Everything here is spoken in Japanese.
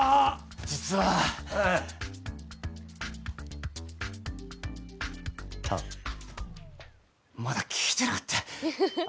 実はあっ、まだ聞いてなかった。